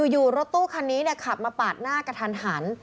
อยู่รถตู้คันนี้ขับมาปาดหน้ากระทันหัน